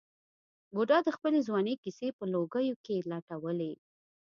بوډا د خپلې ځوانۍ کیسې په لوګیو کې لټولې.